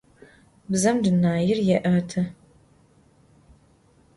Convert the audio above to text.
Bzem dunair yê'etı.